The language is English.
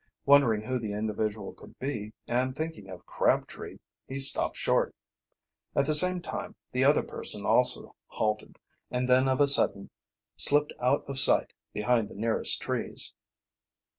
Wondering who the individual could be, and thinking of Crabtree, he stopped short. At the same time the other person also halted, and then of a sudden slipped out of sight behind the nearest trees.